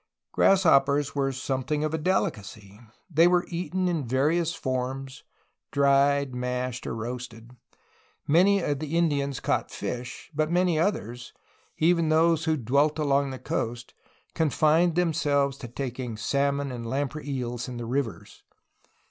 Grasshoppers were something of a dehcacy. They were eaten in various forms, dried, mashed, or roasted. Many of the Indians caught fish, but many others, even of those who dwelt along the coast, confined themselves to taking salmon and lam prey eels in the rivers.